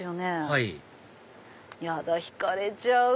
はいヤダ引かれちゃう！